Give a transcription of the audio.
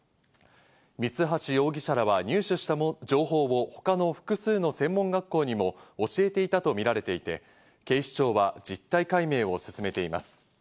三橋容疑者らは入手した情報を他の複数の専門学校にも教えていたとみられていて、警視庁は実態解明を進めています。